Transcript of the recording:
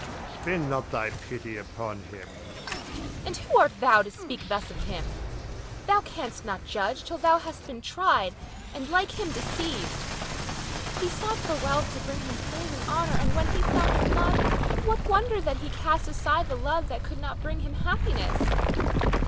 Spend not thy pity upon him. Nina [proudly]. And who art thou to speak thus of him? Thou canst not judge till thou also hast been tried and like him deceived. He sought for wealth to bring him fame and honor; and when he found it not, what wonder that he cast aside the love that could not bring him happiness.